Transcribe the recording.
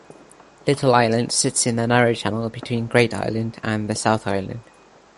Little Island sits in the narrow channel between Great Island and the South Island.